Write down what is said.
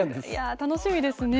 楽しみですね。